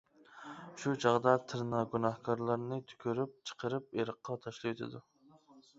شۇ چاغدا «تىرنا» گۇناھكارلارنى تۈكۈرۈپ چىقىرىپ ئېرىققا تاشلىۋېتىدۇ.